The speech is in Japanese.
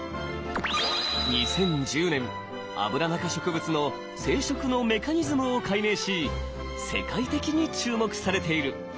２０１０年アブラナ科植物の生殖のメカニズムを解明し世界的に注目されている。